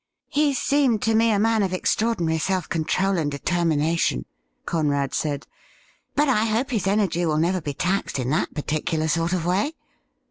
' He seemed to me a man of extraordinary self control and determination,' Conrad said ;' but I hope his energy will never be taxed in that particular sort of way.'